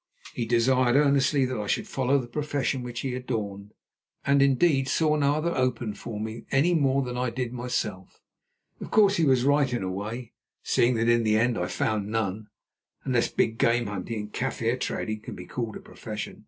He desired earnestly that I should follow the profession which he adorned, and indeed saw no other open for me any more than I did myself. Of course he was right in a way, seeing that in the end I found none, unless big game hunting and Kaffir trading can be called a profession.